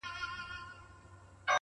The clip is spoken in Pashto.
صادق زړه لږ بار وړي؛